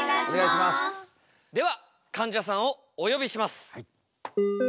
ではかんじゃさんをお呼びします。